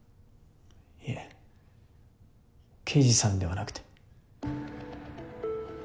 いえ刑事さんではなくて。